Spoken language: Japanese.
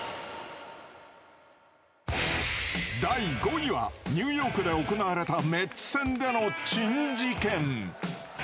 第５位は、ニューヨークで行われた、メッツ戦での珍事件。